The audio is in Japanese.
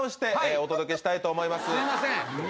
すいません。